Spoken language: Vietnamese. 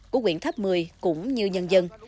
của quyện tháp mười cũng như nhân dân